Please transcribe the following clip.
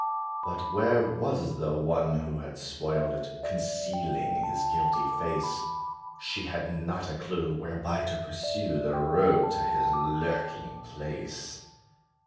But where was the one, who had spoiled it, Concealing his guilty face? She had not a clue whereby to pursue The rogue to his lurking place.